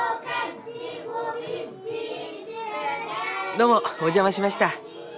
どうもお邪魔しました。